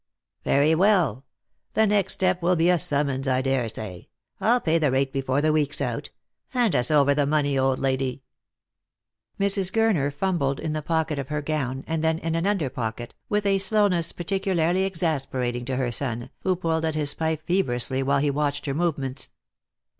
" Very well ; the next step will be a summons, I daresay. I'll pay the rate before the week's out. Hand us over the money, old lady." 270 Lost for Love. Mrs. Gurner fumbled in the pocket of her gown, and then in an under pocket, with a slowness particularly exasperating to her son, who pulled at his pipe feverously while he watched her movements.